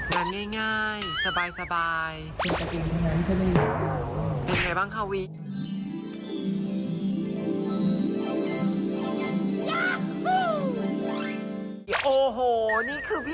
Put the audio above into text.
งานไม่ใหญ่แน่นะวี